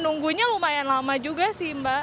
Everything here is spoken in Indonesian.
nunggunya lumayan lama juga sih mbak